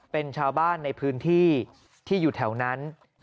เป็นชาวบ้านในพื้นที่ที่อยู่แถวนั้น